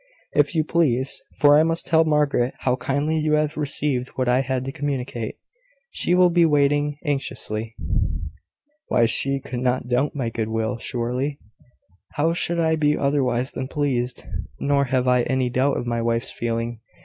"If you please; for I must tell Margaret how kindly you have received what I had to communicate. She will be waiting anxiously." "Why, she could not doubt my good will, surely? How should I be otherwise than pleased? Nor have I any doubt of my wife's feeling.